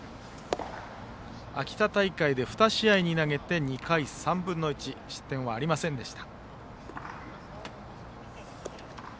秋田大会で２試合に投げて２回３分の１失点はありませんでした。